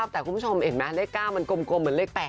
แต่คุณผู้ชมเห็นไหมเลข๙มันกลมเหมือนเลข๘